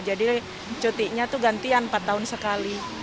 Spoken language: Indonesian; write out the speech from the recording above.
jadi cutinya itu gantian empat tahun sekali